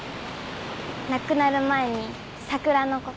亡くなる前に桜のこと。